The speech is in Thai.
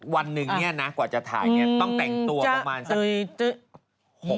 วันหนึ่งเนี่ยนะกว่าจะถ่ายเนี่ยต้องแต่งตัวประมาณสัก